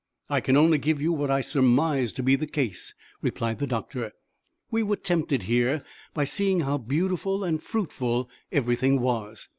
"I can only give you what I surmise to be the case," replied the doctor. "We were tempted here by seeing how beautiful and fruitful everything was."